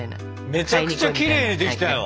めちゃくちゃきれいにできたよ。